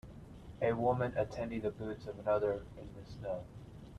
A woman attending the boots of another in the snow.